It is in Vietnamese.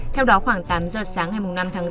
theo đó khoảng tám giờ sáng ngày năm tháng năm